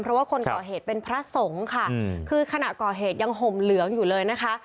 เพราะว่าคนก่อเหตุเป็นพระสงฆ์ค่ะคือขณะก่อเหตุยังห่มเหลืองอยู่เลยนะคะ